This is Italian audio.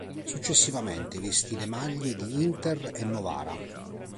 Successivamente vestì le maglie di Inter e Novara.